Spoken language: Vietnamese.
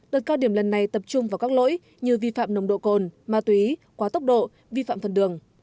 đợt cao điểm lần này tập trung vào các lỗi như vi phạm nồng độ cồn ma túy quá tốc độ vi phạm phần đường